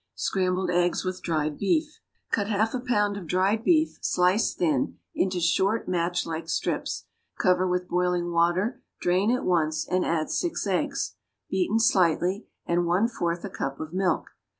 =Scrambled Eggs with Dried Beef.= Cut half a pound of dried beef, sliced thin, into short match like strips, cover with boiling water, drain at once, and add six eggs, beaten slightly, and one fourth a cup of milk.